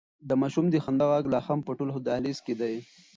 د ماشوم د خندا غږ لا هم په ټول دهلېز کې دی.